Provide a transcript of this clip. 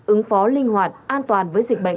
ứng phó linh hoạt an toàn với dịch bệnh